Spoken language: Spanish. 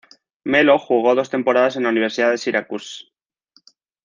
Melo jugó dos temporadas en la Universidad de Syracuse.